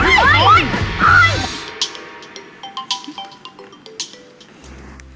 ไม่จริงอะไรนะ